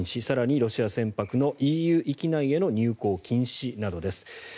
更にロシア船舶のＥＵ域内の入港禁止などです。